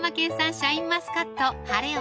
「シャインマスカット晴王」